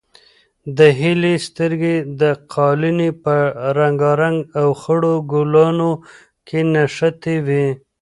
د هیلې سترګې د قالینې په رنګارنګ او خړو ګلانو کې نښتې وې.